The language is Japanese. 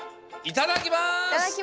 いただきます！